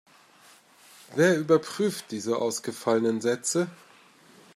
Wer überprüft diese ausgefallenen Sätze?